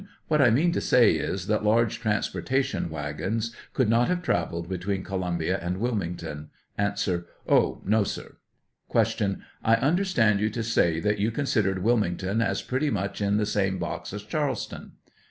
What I mean to say is, that large transportation wagons could not have travelled between Columbia and Wilmington ? A. Oh, no, sir. Q. I understood you to say that you considered Wilmington as pretty much in the same box as Charles ton